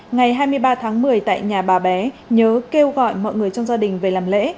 ngày hai mươi ba tháng một mươi tại nhà bà bé nhớ kêu gọi mọi người trong gia đình về làm lễ